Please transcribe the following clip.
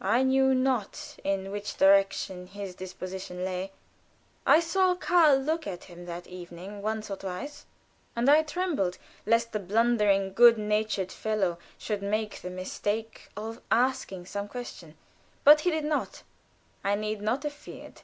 I knew not in which direction his disposition lay. I saw Karl look at him that evening once or twice, and I trembled lest the blundering, good natured fellow should make the mistake of asking some question. But he did not; I need not have feared.